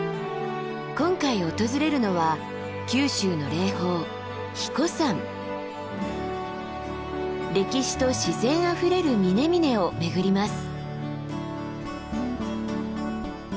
今回訪れるのは九州の霊峰歴史と自然あふれる峰々を巡ります。